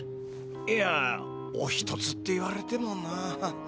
いやおひとつって言われてもな。